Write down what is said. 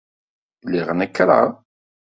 Lliɣ nekkreɣ.